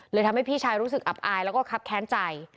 ทำให้พี่ชายรู้สึกอับอายแล้วก็คับแค้นใจ